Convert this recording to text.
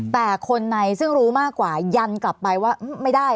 แต่คนในซึ่งรู้มากกว่ายันกลับไปว่าไม่ได้